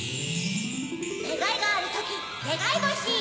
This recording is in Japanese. ねがいがあるときねがいぼし。